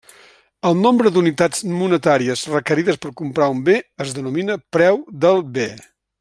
El nombre d'unitats monetàries requerides per comprar un bé es denomina preu del bé.